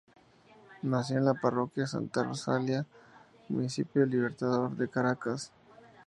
Nació en la Parroquia Santa Rosalía, Municipio Libertador de Caracas.